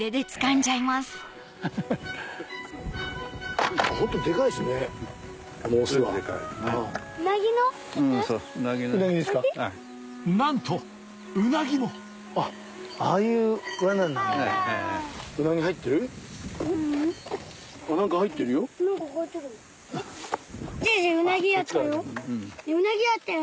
じいじウナギあったよ。